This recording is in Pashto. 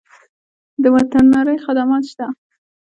د وترنرۍ خدمات شته؟